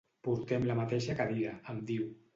Portem la mateixa cadira —em diu.